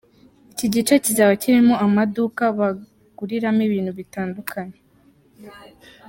Iki gice kizaba kirimo amaduka baguriramo ibintu bitandukanye.